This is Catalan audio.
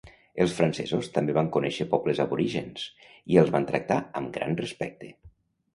Els francesos també van conèixer pobles aborígens i els van tractar amb gran respecte.